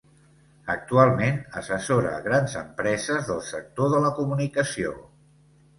Actualment, assessora grans empreses del sector de la comunicació.